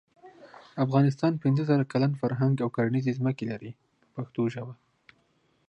افغانستان پنځه زره کلن فرهنګ او کرنیزې ځمکې لري په پښتو ژبه.